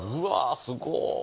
すごっ！